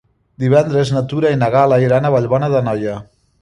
Divendres na Tura i na Gal·la iran a Vallbona d'Anoia.